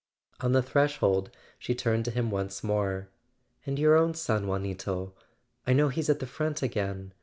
On the threshold she turned to him once more. "And your own son, Juanito—I know he's at the front again.